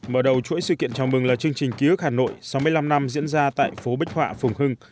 mở đầu chuỗi sự kiện chào mừng là chương trình ký ức hà nội sáu mươi năm năm diễn ra tại phố bích họa phùng hưng